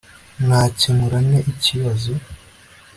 Nakemura nte ikibazo